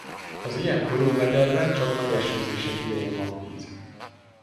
Az ilyen folyómederben csak nagy esőzések idején van víz.